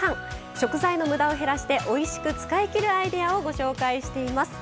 食材のむだを減らしておいしく使いきるアイデアをご紹介しています。